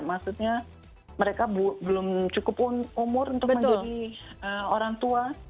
maksudnya mereka belum cukup umur untuk menjadi orang tua